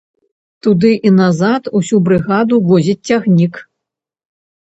Туды і назад усю брыгаду возіць цягнік.